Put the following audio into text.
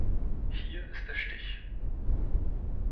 Hier ist der Stich.